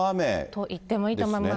と言ってもいいと思います。